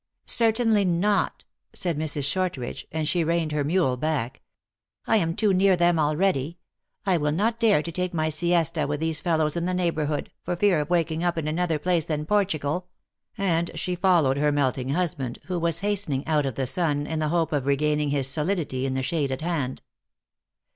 " Certainly not," said Mrs. Shortridge, and she reined her mule back, " I am too near them already. I will not dare to take my siesta with these fellows in the neighborhood, for fear of waking up in another place than Portugal." And she followed her melting husband, who was hastening out of the sun, in the hope of regaining his solidity in the shade at hand.